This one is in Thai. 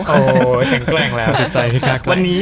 โอ้สังแกร่งแล้ว